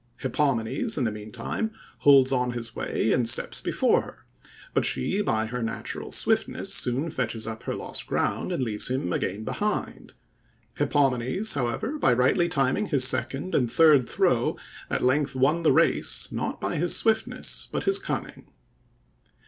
Hippomenes, in the mean time, holds on his way, and steps before her; but she, by her natural swiftness, soon fetches up her lost ground, and leaves him again behind. Hippomenes, however, by rightly timing his second and third throw, at length won the race, not by his swiftness, but his cunning.